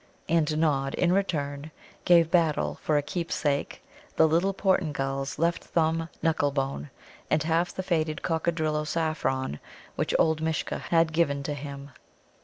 And Nod, in return, gave Battle for a keepsake the little Portingal's left thumb knuckle bone and half the faded Coccadrillo saffron which old Mishcha had given to him.